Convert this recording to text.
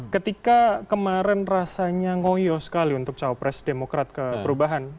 ketika kemarin rasanya ngohiyo sekali untuk cowok presidemokrat ke perubahan